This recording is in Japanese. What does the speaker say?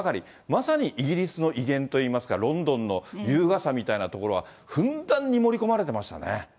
まさにイギリスの威厳といいますか、ロンドンの優雅さみたいなところがふんだんに盛り込まれてましたね。